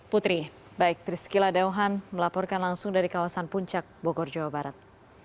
putri baik priscila dauhan melaporkan langsung dari kawasan puncak bogor jawa barat